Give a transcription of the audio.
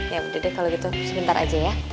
ya udah deh kalau gitu sebentar aja ya